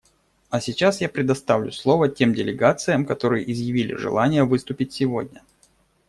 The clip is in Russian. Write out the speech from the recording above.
А сейчас я предоставлю слово тем делегациям, которые изъявили желание выступить сегодня.